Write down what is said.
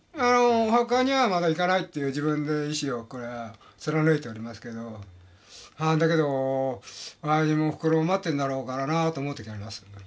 お墓にはまだ行かないっていう自分で意志をこれは貫いておりますけどだけどおやじもおふくろも待ってるんだろうからなと思う時ありますよ。